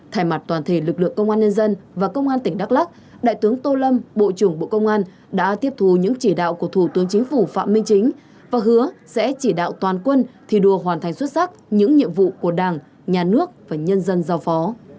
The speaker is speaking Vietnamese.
thay mặt toàn thể lực lượng công an nhân dân và công an tỉnh đắk lắc đại tướng tô lâm bộ trưởng bộ công an đã tiếp thù những chỉ đạo của thủ tướng chính phủ phạm minh chính và hứa sẽ chỉ đạo toàn quân thi đua hoàn thành xuất sắc những nhiệm vụ của đảng nhà nước và nhân dân giao phó